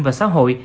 và xã hội